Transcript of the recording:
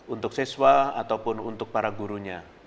untuk siswa ataupun untuk para gurunya